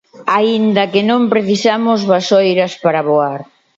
Aínda que non precisamos vasoiras para voar.